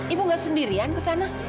ibu gak sendirian ke sana